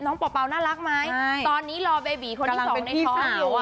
เป่าน่ารักไหมตอนนี้รอเบบีคนที่สองในท้องอยู่